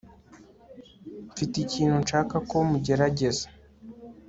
mfite ikintu nshaka ko mugerageza